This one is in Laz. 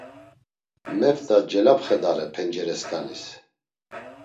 Meft̆a celapxedare penceresǩanis.